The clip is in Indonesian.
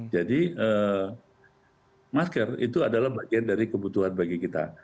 jadi masker itu adalah bagian dari kebutuhan bagi kita